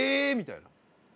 みたいな。